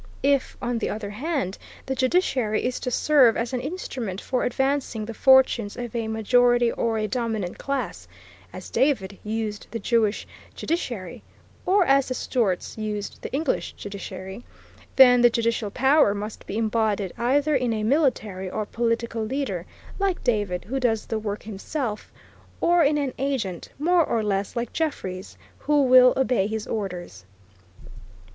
If, on the other hand, the judiciary is to serve as an instrument for advancing the fortunes of a majority or a dominant class, as David used the Jewish judiciary, or as the Stuarts used the English judiciary, then the judicial power must be embodied either in a military or political leader, like David, who does the work himself, or in an agent, more or less like Jeffreys, who will obey his orders.